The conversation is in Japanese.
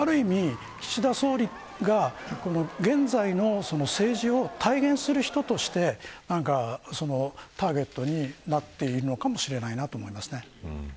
ある意味、岸田総理が現在の政治を体現する人としてターゲットになっているのかもしれないなと思います。